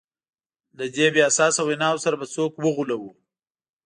له دې بې اساسه ویناوو سره به څوک وغولوو.